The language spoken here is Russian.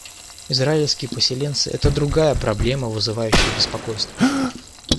Израильские поселенцы — это другая проблема, вызывающая беспокойство.